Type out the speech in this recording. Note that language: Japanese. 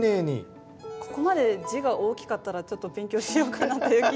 ここまで字が大きかったらちょっと勉強しようかなっていう気に。